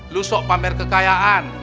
lu sok pamer kekayaan